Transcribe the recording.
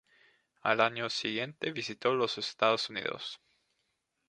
Al año siguiente visitó los Estados Unidos.